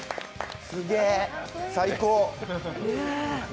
すげぇ、最高。